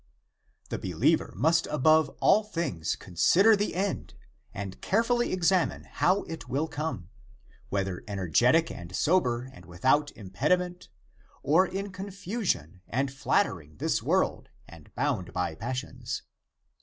The believer must above all things con sider the end and carefully examine how it w^ill come, whether energetic and sober and without impediment, or in confusion and flattering this world and bound by passions.